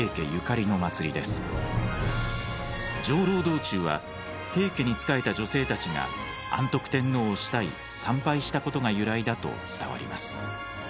道中は平家に仕えた女性たちが安徳天皇を慕い参拝したことが由来だと伝わります。